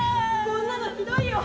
「こんなのひどいよ。